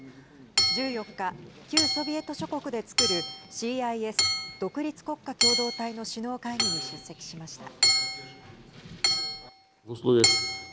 １４日、旧ソビエト諸国でつくるＣＩＳ＝独立国家共同体の首脳会議に出席しました。